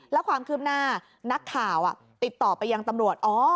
แล้วความคืบหน้านักข่าวติดต่อไปยังตำรวจ